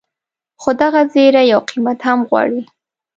خو دغه زیری یو قیمت هم غواړي.